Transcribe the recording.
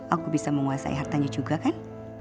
aku bisa menguasai hartanya juga kan